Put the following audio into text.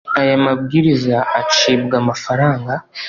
aya mabwiriza acibwa amafaranga